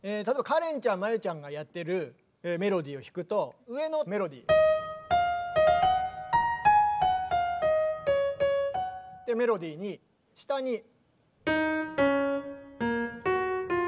例えばかれんちゃんＭＡＹＵちゃんがやってるメロディーを弾くと上のメロディー。ってメロディーに下に。